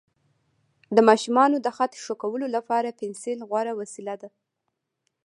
د ماشومانو د خط ښه کولو لپاره پنسل غوره وسیله ده.